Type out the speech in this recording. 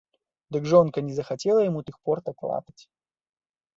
Дык жонка не захацела яму тых портак латаць.